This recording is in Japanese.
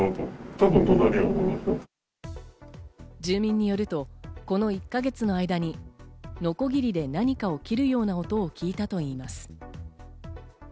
住民によると、この１か月の間にのこぎりで何かを切るような音を聞いたといいます。